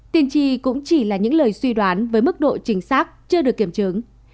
tiên tri cũng chỉ là những lời suy đoán với mức độ chính xác chưa được kiểm chứng